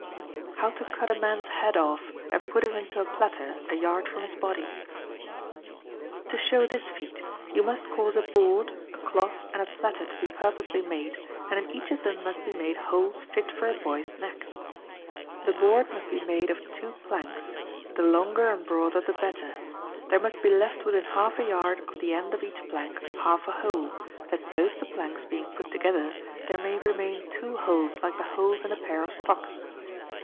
How to Cut a Man's Head Off, and Put It into a Platter, a Yard from His Body.—To show this feat, you must cause a board, a cloth, and a platter to be purposely made, and in each of them must be made holes fit for a boy's neck. The board must be made of two planks, the longer and broader the better; there must be left within half a yard of the end of each plank half a hole, that both the planks being put together, there may remain two holes like the holes in a pair of stocks.